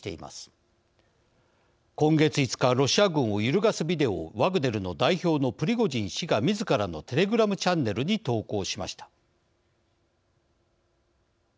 今月５日ロシア軍を揺るがすビデオをワグネルの代表のプリゴジン氏がみずからのテレグラムチャンネルに投稿しました。